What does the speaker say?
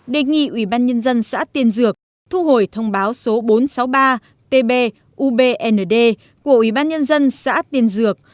đề nghị ủy ban nhân dân xã tiên dược thu hồi thông báo số bốn trăm sáu mươi ba tb ubnd của ủy ban nhân dân xã tiên dược